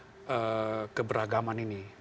dalam rangka menjaga keberagaman ini